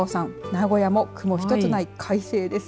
名古屋も雲一つない快晴です。